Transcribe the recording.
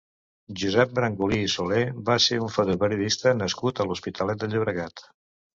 Josep Brangulí i Soler va ser un fotoperiodista nascut a l'Hospitalet de Llobregat.